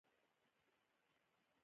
ملګری خوږ دی.